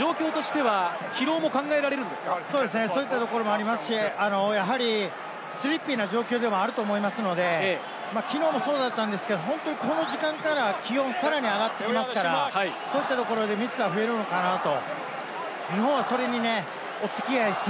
こういった軽いミス増えてくるというのは状況としては疲そういったところもありますし、スリッピーな状況でもあると思いますので、きのうもそうだったんですけれども、本当にこの時間から気温がさらに上がってきますから、そういったところでミスは増えるのかなと。